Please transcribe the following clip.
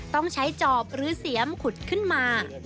ต้องใช้จอบหรือเสียมขุดขึ้นมา